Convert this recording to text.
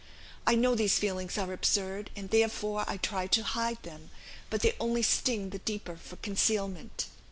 I know these feelings are absurd, and therefore I try to hide them, but they only sting the deeper for concealment."